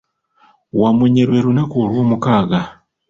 Wamunye lwe lunaku olwomukaaga.